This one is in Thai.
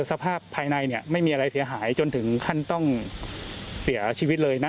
สภาพภายในเนี่ยไม่มีอะไรเสียหายจนถึงขั้นต้องเสียชีวิตเลยนะ